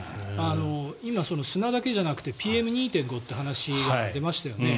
今、砂だけじゃなくてＰＭ２．５という話が出ましたよね。